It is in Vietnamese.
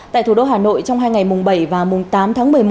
tại thủ đô hà nội trong hai ngày mùng bảy và mùng tám tháng một mươi một